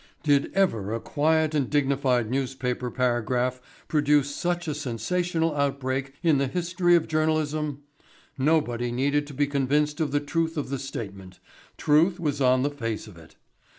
Did ever a quiet and dignified newspaper paragraph produce such a sensational outbreak in the history of journalism? Nobody needed to be convinced of the truth of the statement truth was on the face of it.